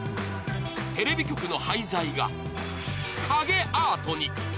テレビ局の廃材が影アートに。